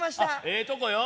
ええとこよ。